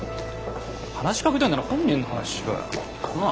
話しかけたいなら本人の話しろよ。なあ？